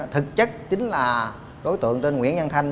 thực chất chính là đối tượng tên nguyễn văn thành